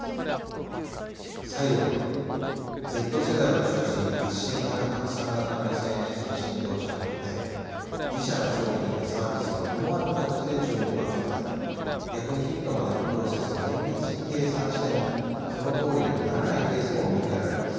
最後にＺ世代を中心に発信型拡散型のＳＮＳが浸透したことで自社の商品やサービスが思わぬ形で注目を集めたり逆にヒットまでのプロセスを綿密に計算してもそのとおりにはならないケースも見受けられます。